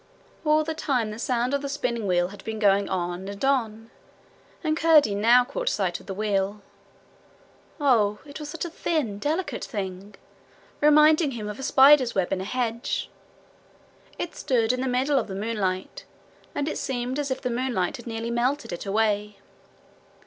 All the time the sound of the spinning had been going on and on, and Curdie now caught sight of the wheel. Oh, it was such a thin, delicate thing reminding him of a spider's web in a hedge. It stood in the middle of the moonlight, and it seemed as if the moonlight had nearly melted it away.